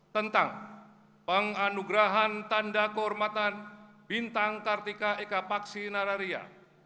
tentang penganugerahan tanda kehormatan bintang kartika ekapaksi nararia